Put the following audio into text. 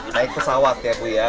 naik pesawat ya bu ya